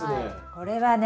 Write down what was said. これはね